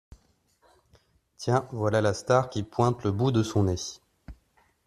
Tiens, voilà la star qui pointe le bout de son nez.